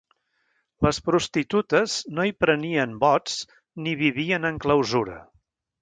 Les prostitutes no hi prenien vots ni vivien en clausura.